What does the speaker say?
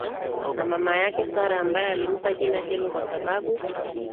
Na mama yake Sarah ambaye alimpa jina hilo kwa sababu